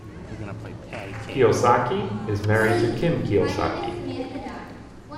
Kiyosaki is married to Kim Kiyosaki.